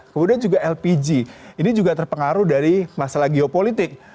kemudian juga lpg ini juga terpengaruh dari masalah geopolitik